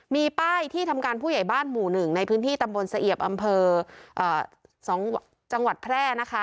มีป้ายที่ทำการผู้ใหญ่บ้านหมู่๑ในพื้นที่ตำบลสะเอียบอำเภอ๒จังหวัดแพร่นะคะ